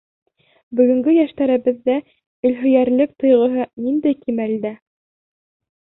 Бөгөнгө йәштәребеҙҙә илһөйәрлек тойғоһо ниндәй кимәлдә?